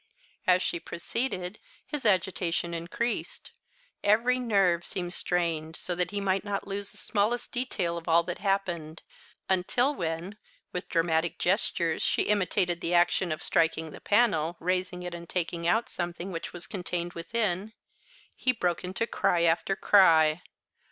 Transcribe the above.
As she proceeded, his agitation increased; every nerve seemed strained so that he might not lose the smallest detail of all that happened, until when, with dramatic gestures, she imitated the action of striking the panel, raising it, and taking out something which was contained within, he broke into cry after cry.